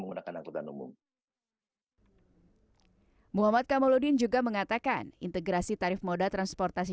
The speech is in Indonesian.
menggunakan angkutan umum muhammad kamaludin juga mengatakan integrasi tarif moda transportasi